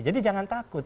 jadi jangan takut